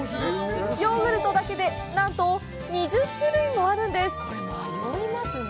ヨーグルトだけで、なんと２０種類もあるんです！